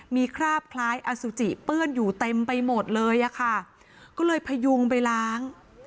มีคราบคล้ายอสุจิเปื้อนอยู่เต็มไปหมดเลยอะค่ะก็เลยพยุงไปล้าง